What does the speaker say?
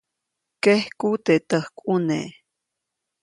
Kejku teʼ täjkʼune.